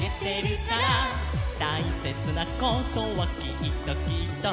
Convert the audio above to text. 「たいせつなことはきっときっと」